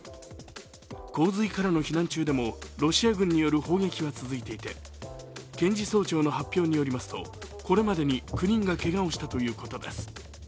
洪水からの避難中でもロシア軍による砲撃は続いていて検事総長の発表によりますとこれまでに９人がけがをしたということです。